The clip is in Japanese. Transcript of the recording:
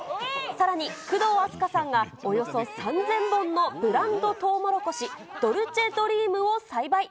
さらに、工藤阿須加さんがおよそ３０００本のブランドトウモロコシ、ドルチェドリームを栽培。